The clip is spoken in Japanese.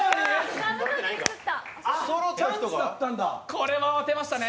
これは慌てましたね。